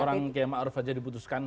orang kayak ma'ruf saja diputuskan